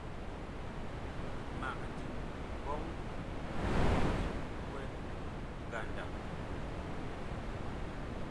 Mag diŋ mbɔŋ epupuɛ ngandag.